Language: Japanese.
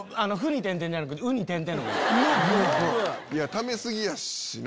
ため過ぎやしな。